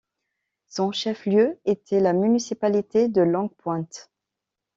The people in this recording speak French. Son chef-lieu était la municipalité de Longue-Pointe.